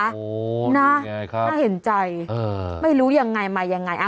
โอ้โหน่าเห็นใจไม่รู้ยังไงมายังไง